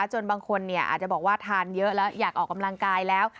จนบางคนอาจจะบอกว่าทานเยอะแล้วอยากออกกำลังกายแล้ว